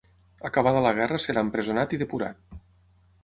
Acabada la guerra serà empresonat i depurat.